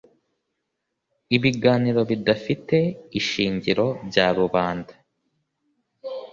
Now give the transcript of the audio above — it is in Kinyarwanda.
Ibiganiro bidafite ishingiro bya rubanda